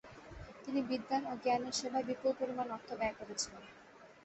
তিনি বিদ্বান ও জ্ঞানের সেবায় বিপুল পরিমাণ অর্থ ব্যয় করেছিলেন।